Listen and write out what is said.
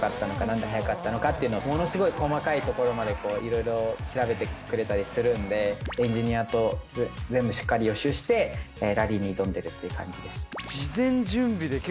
んで速かったのかっていうのをものすごい細かいところまで色々調べてくれたりするのでエンジニアと全部しっかり予習してラリーに挑んでるっていう感じです。